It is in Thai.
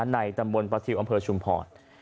ในตำบลประทิวอำเภอชุมพร